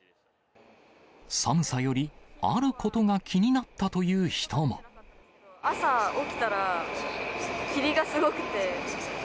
寒さより、あることが気にな朝、起きたら、霧がすごくて。